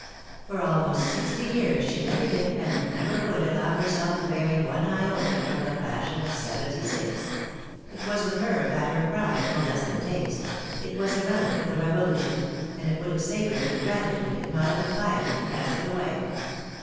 For almost sixty years she never did, and never would, allow herself to vary one iota from the fashion of Seventy Six. It was with her a matter of pride no less than taste; it was a relic of the Revo , lution; and it would have savored of ingratitude, if not of impiety, to cast it away.